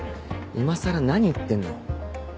今さら何言ってるの？